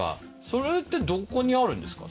それってどこにあるんですか？